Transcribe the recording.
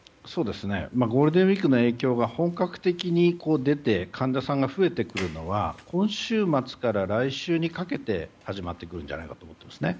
ゴールデンウィークの影響が本格的に出て患者さんが増えてくるのは今週末から来週にかけて始まってくるのではと思っています。